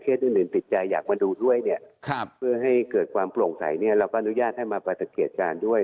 อื่นติดใจอยากมาดูด้วยเนี่ยเพื่อให้เกิดความโปร่งใสเนี่ยเราก็อนุญาตให้มาปรากฏการณ์ด้วย